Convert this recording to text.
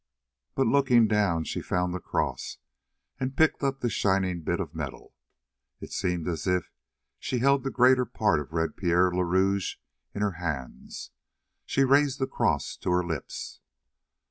But looking down she found the cross and picked up the shining bit of metal; it seemed as if she held the greater part of Pierre le Rouge in her hands. She raised the cross to her lips.